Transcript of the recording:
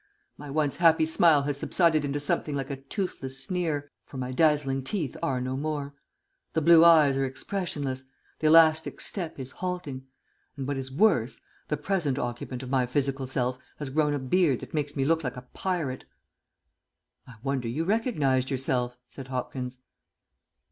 My once happy smile has subsided into something like a toothless sneer; for my dazzling teeth are no more. The blue eyes are expressionless, the elastic step is halting, and, what is worse, the present occupant of my physical self has grown a beard that makes me look like a pirate." "I wonder you recognized yourself," said Hopkins.